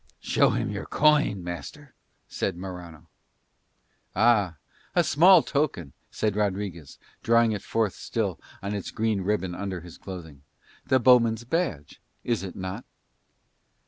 "Show him your coin, master," said Morano. "Ah, a small token," said Rodriguez, drawing it forth still on its green ribbon under his clothing. "The bowman's badge, is it not?"